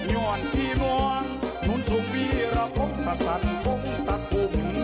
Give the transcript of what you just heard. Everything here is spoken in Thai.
ย่อนที่มองทุนสุภีระพบภัศนภงตะกลุ่ม